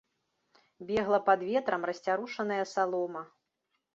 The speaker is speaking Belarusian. Бегла пад ветрам расцярушаная салома.